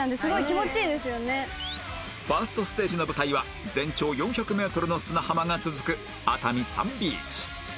１ｓｔ ステージの舞台は全長４００メートルの砂浜が続く熱海サンビーチ